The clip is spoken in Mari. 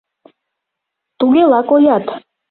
— Тугела коят...